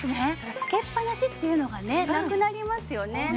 つけっぱなしっていうのがねなくなりますよね。